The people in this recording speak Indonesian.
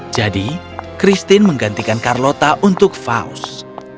jadi christine menggantikan carlota untuk faust